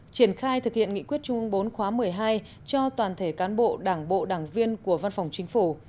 triển khai thực hiện nghị quyết trung ương bốn khóa một mươi hai cho toàn thể cán bộ đảng bộ đảng viên của văn phòng chính phủ